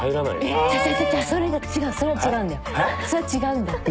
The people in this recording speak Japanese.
それは違うんだって。